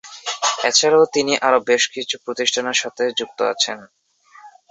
এছাড়াও তিনি আরো বেশ কিছু প্রতিষ্ঠানের সাথে যুক্ত আছেন।